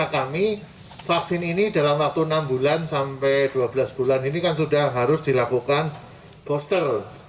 kami vaksin ini dalam waktu enam bulan sampai dua belas bulan ini kan sudah harus dilakukan booster